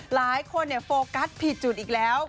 หลายคนเนี่ยโฟกัสผิดจุดอีกแล้ว